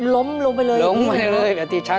ล้มลงไปเลยอย่างนี้หรือเปล่าครับ